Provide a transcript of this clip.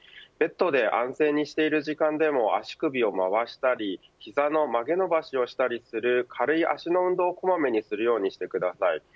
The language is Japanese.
ペットで安静にしている時間でも足首をまわしたり膝の曲げ伸ばしをしたりする軽い足の運動を小まめにするようにしてください。